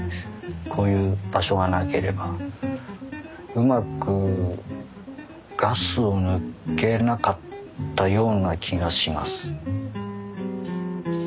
こういう場所がなければうまくガスを抜けなかったような気がします。